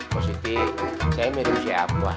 positif ya mirip siapa